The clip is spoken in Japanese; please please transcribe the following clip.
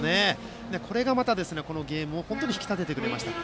これがゲームを本当に引き立ててくれました。